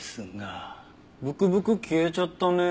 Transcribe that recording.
ブクブク消えちゃったね。